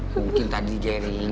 mungkin tadi jenny